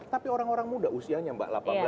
tapi orang orang muda usianya mbak